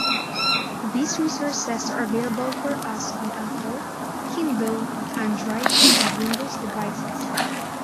These resources are available for us on Apple, Kindle, Android, and Windows devices.